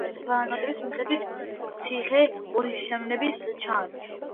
კედლების ფრაგმენტების მიხედვით ციხე ორიარუსიანი ჩანს.